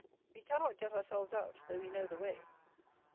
We cannot get ourselves out though we know the way.